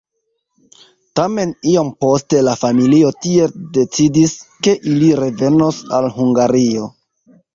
Tamen iom poste la familio tiel decidis, ke ili revenos al Hungario.